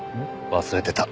忘れてた。